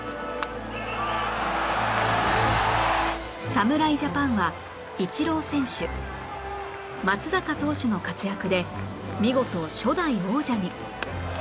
侍ジャパンはイチロー選手松坂投手の活躍で見事初代王者に